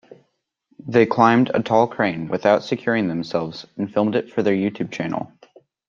They climbed a tall crane without securing themselves and filmed it for their YouTube channel.